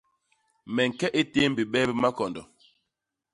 Me ñke i tém bibee bi makondo.